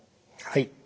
はい。